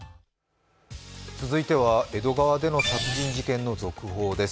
続いては、江戸川での殺人事件の続報です。